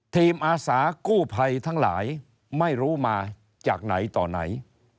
อาสากู้ภัยทั้งหลายไม่รู้มาจากไหนต่อไหน